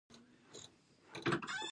ایا زه باید ردبول وڅښم؟